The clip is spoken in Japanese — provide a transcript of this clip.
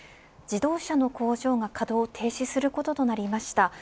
自動車の工場が稼働停止することとなりました。